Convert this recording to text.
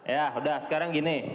ya udah sekarang gini